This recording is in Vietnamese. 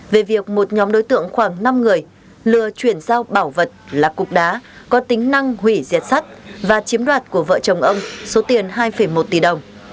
về việc một nhóm đối tượng khoảng năm người lừa chuyển giao bảo vật là cục đá có tính năng hủy diệt sắt và chiếm đoạt của vợ chồng ông số tiền hai một tỷ đồng